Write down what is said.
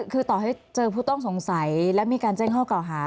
คือต่อให้เจอผู้ต้องสงสัยและมีการแจ้งข้อเก่าหา